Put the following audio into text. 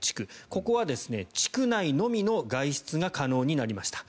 ここは地区内のみの外出が可能になりました。